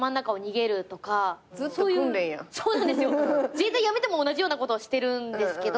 自衛隊やめても同じようなことをしてるんですけど。